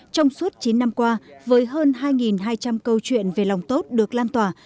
trong suốt chín năm qua với hơn hai hai trăm linh câu chuyện về lòng tốt được lan tỏa